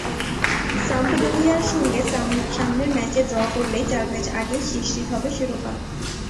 সাম্পদোরিয়ার সঙ্গে সামনের ম্যাচে ড্র করলেই চার ম্যাচ আগেই নিশ্চিত হবে শিরোপা।